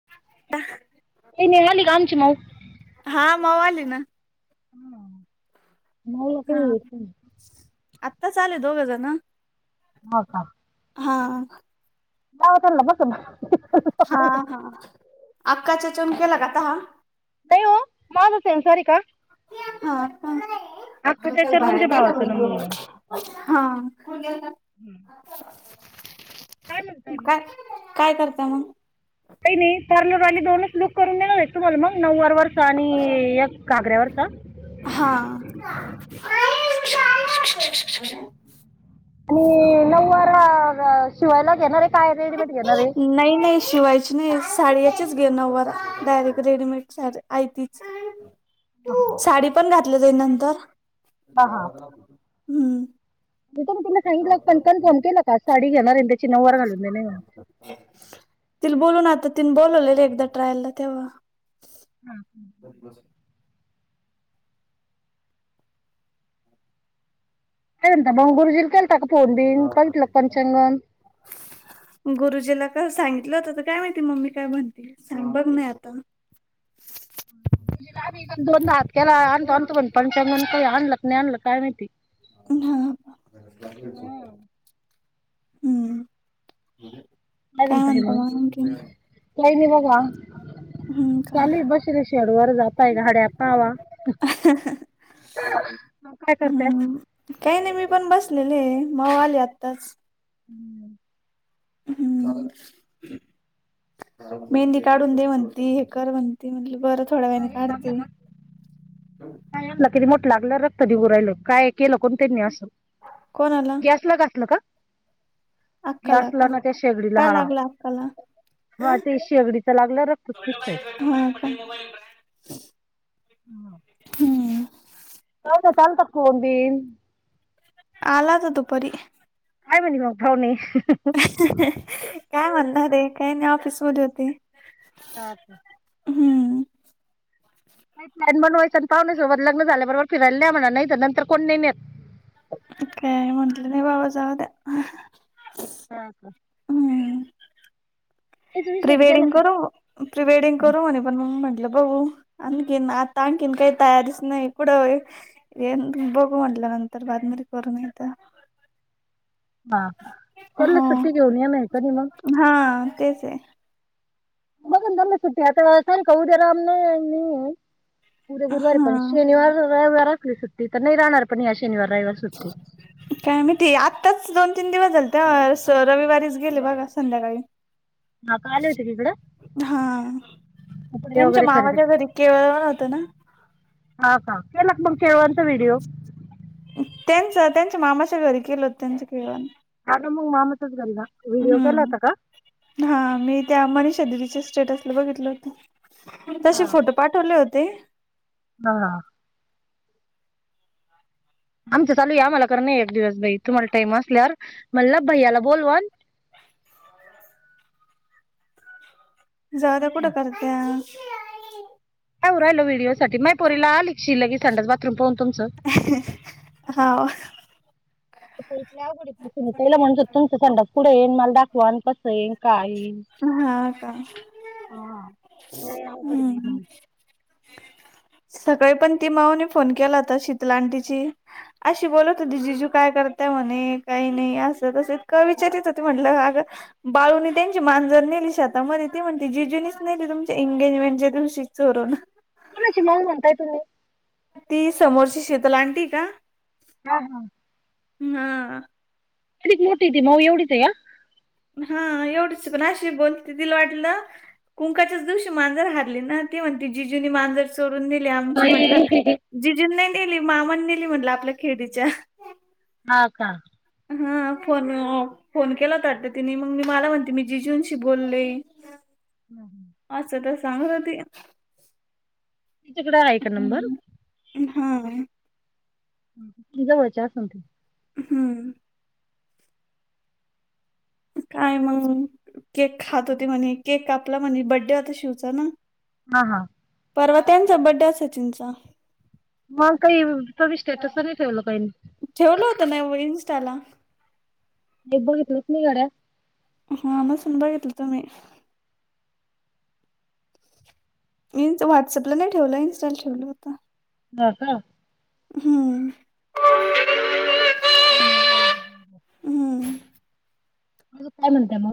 [unintelligible] ये निघाली का आमची माऊ हा माऊ आली ना. माऊला हा काय येत नाही. आत्ताच आले दोघ जन बघा. हा [unintelligible] हा हा आकाच्या चमक्या लगाता ह नाही वो माझ सेन्सरये का हा का [unintelligible] अख्खा हा त्याच्यावर तुमच्या भावाचा नंबर आहे काय म्हणताय मग काय काय करता मग काही नाही टर्नर वाली दोनच लुक करून देणार आहेत तुम्हाला मग नऊवार वरचा आणि एक घागऱ्यावरचा हा [unintelligible] आणि नववार शिवायला घेणारये काय रेडीमेड घेणारये नाही नाही शिवायची नाही साडी याचीच घे नववारा डायरेक्ट रेडीमेड साडी आयतीच हा साडी पण घातल जाईल नंतर हा हा [unintelligible] [inaudible] साडी घेणार आणि त्याची नववार घालणार नाही तिला बोलव ना आता तिन बोलवलेले एकदा ट्रायल ला तेव्हा हम् [unintelligible] गुरुजीला काल सांगितलं होतं तर काय माहिती मम्मी काय म्हणती सांग बघ नाही आता [inaudible] दोनदा हात केला आणतो आणतो म्हणत [inaudible] काय आणलं नाही आणलं काय माहिती हा हम्म काय करताय म्हणता मग [inaudible] आणखीन काही नाही बघा हम्म का चालोय बस रे शेड वर जातंय घड्या पावा मग काय करताय हम्म काही नाही मी पण बसलेले माऊ आले आत्ताच हम्म हम्म चाललं मेहंदी काढून दे म्हणती हे कर म्हणती बरं थोड्या वेळाने [inaudible] लाबला काढते का काय यांना किती मोठ लागलं रक्त निघू राहिलं काय केलं कोण त्यांनी असं कोणाला कासाला घासला का त्या अक्काला असला का ना त्या शेगडीला काय हा लागलं अक्काला हा ते शेगडी च लागलं रक्त च निघतय हा का [unintelligible] हम्म चालता चालता कोण बीन आला होता दुपारी काय म्हणले पाऊणे काय म्हणणार हे काही नाही ऑफिस मध्ये होते [unintelligible] हम्म काई प्लॅन बनवायचं आणि पाहुण्या सोबत लग्न झाल्या बरोबर फिरायला न्या म्हणा नाही तर नंतर कोण नाही नेत. [inaudible] काय म्हटलं नाही बाबा जाऊ द्या हा हा हेच फ्री विषय गेलं वेडिंग का करू फ्री वेडिंग करू म्हणे पण मग म्हटलं बघू आणखीन आता आणखीन नाही तयारीचं नाही [inaudible] ये बघू म्हटलं नंतर बादमध्ये करू नाही तर हा हा हा हा तेच हाय असलं त्यांना सुट्टी आता उद्या राम नवमी आहे उद्या गुरुवारी पण हा शनिवार रविवार असली सुट्टी तर नाही राहणार पण ह्या शनिवार रविवारी सुट्टी काय माहिती आत्ताच दोन तीन दिवस झालत रविवारीच गेले बघा संध्याकाळी हा का आले होते तिकडे हा कपडे त्यांच्या वगैरे खरेदी मामाच्या घरी केळवण होतं ना हा का केलात मग केळवणचा व्हिडिओ त्यांच त्यांच्या मामाच्या घरी केलं होत त्यांच केळवण हां [inaudible] मग मामाच्याच घरचा व्हिडिओ केला हम्म होता का हा मी त्या मनीषा दिदीच्या स्टेटसला बघितल होतं तसे हा फोटो पाठवले होते हा आमचं चालू हे आम्हांला करणं हे एक दिवस बाई तुम्हांला टाईम असल्यावर म्हणलं भैय्याला बोलवन जाऊद्या कुठं काय करत्यात काय होऊ राहील व्हिडिओ साठी माया पोरीला आलीकी शी संडास बाथरूम पाहून तुमचं हा तिला म्हणस तुमचं संंडास कुढे येईन मला दाखवा आणि कसं येईन का येईन हा का हम् [inaudible] सकाळी पण ती माऊने फोन केला होता शीतल आंटी शी अशी बोलत होती जिजू काय करताय म्हणे काही नाही असं तस इतकं विचारित होती म्हटलं अग बळून दे तीची मांजर नेली शेतामध्ये ती म्हणती जीजुनीच नेली तुमच्या एंगेजमेंटच्या दिवशी चोरून कोणाची माऊ म्हणताय तुम्ही ती समोरची शीतल आंटी हे का हा हा हा कितीक मोठी ती माऊ एवढीच आहे का हा एवढीसी पण आशी बोलती तिला वाटलं कुंकाच्याच दिवशी मांजर हारली ना ती म्हणती जिजुनी मांजर चोरुन नेली आमची बाई, म्हटलं जिजुनी नाही नेली मामानी नेली म्हटलं आपल्या खेडीच्या. हा का? हा फोन फोन केला आता तिने मग मी मला म्हणते मी जिजूंशी बोले, हा आसं तस सांगत होती. जिजूकडे आहे का नंबर? हम्म. हा. जवळच्या आसन ती. हम्म काय मंग केक खात होती म्हणे केक कापला म्हणे बडे होता शिवचा ना. हा हा, परवा त्यांचा बड्डे आहे सचिनचा. मग काही तरी स्टेटस तरी ठेवलं का ह्यांनी? नाही व इन न्स्टाला हे बघितलंच नाही गाड्या हा नसेल बघितलं तुम्ही? व्हाटसअपला नाही ठेवलं इंस्टा ला ठेवलं होत. हा का? हम्म [unintelligible] हम्म काय म्हणत्या म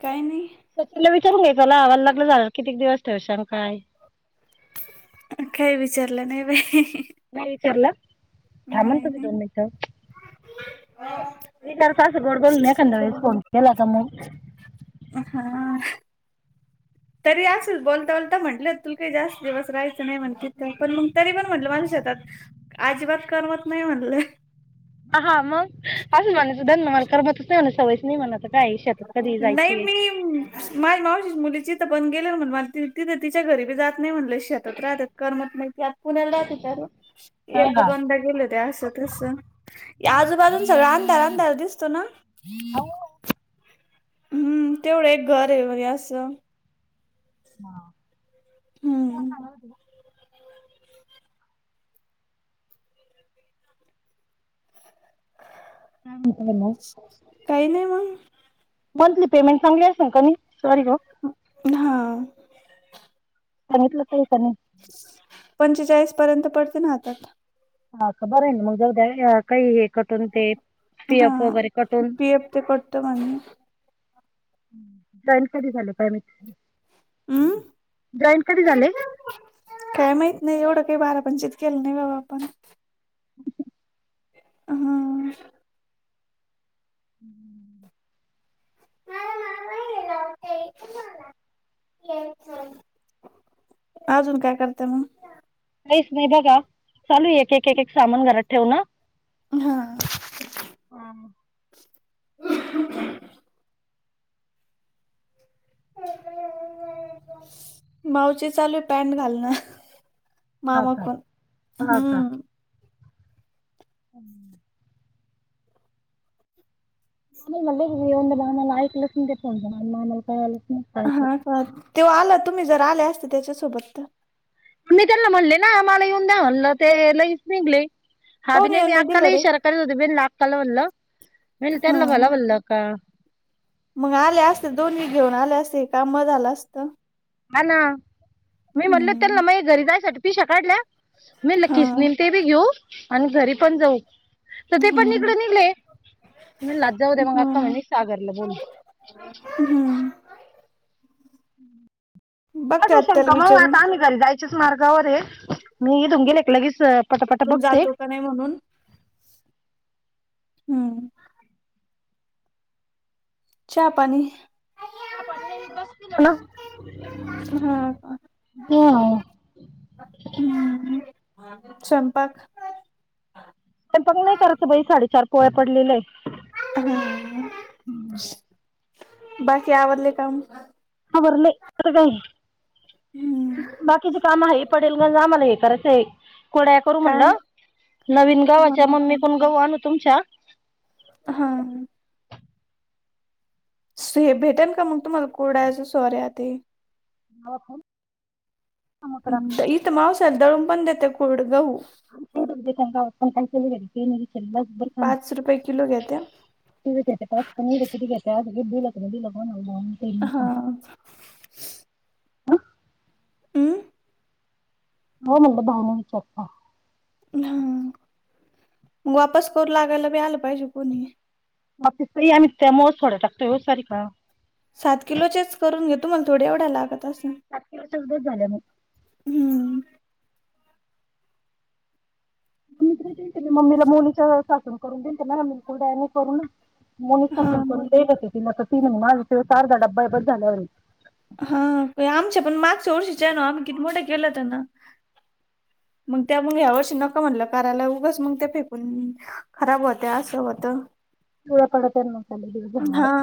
काय नाही. सचीनला विचारून घ्यायचं ना लग्न झाल्यावर किती दिवस ठेवशाल काय? काय विचारलं नाही बाई. नाही विचारलं थांबल नाही तुझी नाही दोन मिनट विचारायचं स गोड बोलून एखाद्या वेळेस फोन केला का मग हा. तरी आसच बोलता बोलता म्हटलं तुला काही जास्त दिवस राहायचं नाही म्हण तिथ पण मग तरी पण म्हटलं माझ शेतात अजिबात करमत नाही म्हणल. हा हा मंग आजून म्हणे सुदान मला करमतच नाही म्हण सवयच नाही म्हण आता ताई शेतात कधी जायची यायची? माझी मावशीची मुलीची इथं पण गेले म्हण मला त तिथं तिच्या घरी बी जात नाही म्हनल अशी शेतात राहत्यात करमत नाही त्यात पुण्याला राहती तरू हा एकदा हा, दोनदा गेले होते आसच तस आजूबाजून सगळं अंधार अंधार दिसतो ना? हाव हम्म तेवढं एक घर आहे आसं. हा तुम्हाला हम्म सागत होती का काय म्हणताय मग? काही नाही मग. मंथली पेमेंट चांगली आसन कणी? सॉरी गं. हा. सांगीतलं तय का नाही? पंचेचाळीस पर्यंत पडते ना हातात. हा का बर आहे ना मग जावुदाय काही हे कटून ते पी. हा एफ, वगैरे कटून पी एफ ते पडतं म्हणे जॉईन कधी झाल काय माहित? हम्म. जॉईन कधी झाले काय माहित नाही एवढं काही बारापणंचित केलं नाही बाबा आपण. ब. हां. आवाज आवाज अजून काय करता मग? काहीच नाही बघा, चालू एक एक एक सामान घरात ठेवनं. हा, अं, मावची चालू आहे पॅन्ट घालणं. हा मामा का कोण, हा हम्म. हम्म. माम मध्ये माला एकक लसण तेपणत मामल काय आलंच नाही. काय ते हा तेव्हा आला तुम्ही जर आले असते त्याच्यासोबत तर. मी त्यांना म्हणले ना आम्हाला येऊन द्या, म्हणलं ते लईच पेंगले, हा बी काऊन येऊन नाही अक्काला दिलं रे इशारऽ त होते, बेन लाकाला बोलल, बे हा त्यांना भला बोललं का. मग आले असते दोन्ही घेऊन आले असते, काम म झालं असतं. हा ना, मी म्हणलो त्या हम्म मग घरी जायसाठी पिशव्या काडल्या. मी हा लकीच नम ते बी घेऊ, आणि घरी पण जाऊ. तर ते पण ईकड हा निघले, निलात जाऊ दे मग अक्का हा म्हणे सागरला बोलवू. हम्म. बघते हट आत्याला शंका मझ विचारून आता आम्ही. घरी जायच्याच मार्गावर आहे, मी ईथुन गेले की लगेचऽ तो जातो का नाही म्हणून,, हम्म. च्या पाणी. हॅलो. हा मियाव ह स्वयंपाक. हे पणनाही करत बाई साडेचार पोळ्या पडलेले आहेत. हम्म्म, बाकी आवरले कामं. आवरले, आता काय. हम्म... बाकीचे काम हे पडेल ग, आमला हे करायचं आहे. कुरड्या करू काय म्हणलं, नवीन हा गव्हाच्या, हा मम्मी कडुन गहु आणू तुमच्या. हा... हे भेटेन का मग तुम्हाला, कुरडायचा सॉर्या ते. होका... इथं मावशी य दळून पण देते कुड गहू. गाव पण काय केले नाही, तास बर थामली् पाच रुपये किलो घेत्या [unintelligible] पनीर त क गिी लगग म्हणुन. [unintelligible] हा... हंं... हो म्हटलं भाव न विचारता. हा, मग वापस करू लागायला बी आल पाहिजे कोणी. बाकी स आमित त्या म सारीका. सात किलोचेच करून घेतो, तुम्हाला थोड्या एवढ्या लागत असन. सात किलो उद्याच झाल्या मग. हम्म... मम्मी तरी दे ना मम्मीला, मुलीच्या सासून करून देलत ना, म कुरडयानी करून ना. हा मोनीथपन करून देत होती तिन ती म्माझं ते आर्धा डब्बा झाल्यावर. हा आमच्या पण मागच्या वर्षीचे नाही किती मोठे केलंहोते ना. मग त्या मग ह्या वर्षी नक म्हटलं करायला उगच मग ते फेकून. खराब होत असं होतं. पिवळ्यापडतात झाले हा दिवस.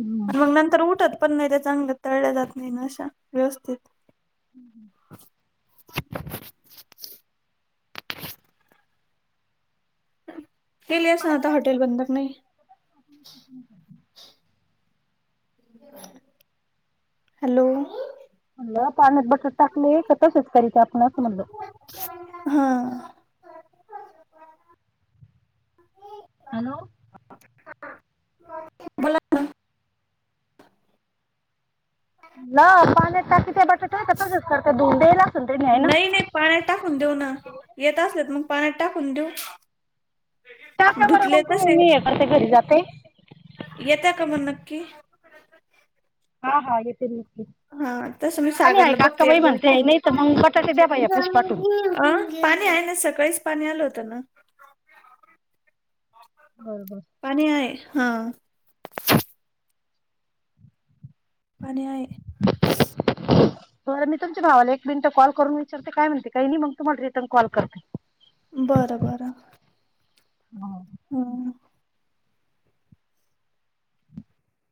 हम्म. आणि मग नंतर उठत पण नाही त्या चांगल्या तळल्या जात नाही ना अशा व्यवस्थित. हम् ह. [unintelligible] [unintelligible] [unintelligible] [unintelligible] गेली असेल ना आता हॉटेल बंद नाही. [unintelligible] हॅलो.... [unintelligible] हा. हॅलो. ! बोला ना. ल पाण्यात टाकता ते बटाट का तच करते धुंडेला. नाही नाही पाण्यात टाकून देऊ ना, येत असलेत मग पाण्यात टाकून देऊ. टाका बर धुतले मग तुम्ही मी हे करते घरी जाते. येतय का म नक्की.? हा हाे येते. हा तसं मी आणि आहे सागरला बघते काक्काबाई एकदा म्हणते विचारून नाही तर मग बटाटे द्या पा भैय्या पाशी पाटून. अं पाणी आहे ना सकाळीच पाणी आलं होतं ना. बरोबर. पाणी आहे हा. पाणी आहे. [unintelligible] [inaudible] बर मी तुमच्या भावाला एक मिनिटं कॉल करून विचारते. काय म्हणते काय. नाही मग तुम्हाला रिटर्न कॉल करते. बरं - बरं. ह [unintelligible] हम्म.